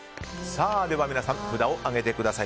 では皆さん、札を上げてください。